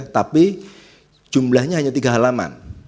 tapi jumlahnya hanya tiga halaman